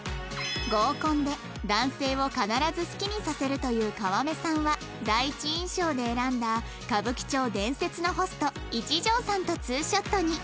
合コンで男性を必ず好きにさせるという川目さんは第一印象で選んだ歌舞伎町伝説のホスト一条さんとツーショットに